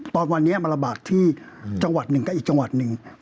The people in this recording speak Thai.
ตอนวันนี้มาระบาดที่จังหวัดหนึ่งก็อีกจังหวัดหนึ่ง